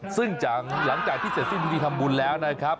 ซึ่งหลังจากที่เสร็จสิ้นพิธีทำบุญแล้วนะครับ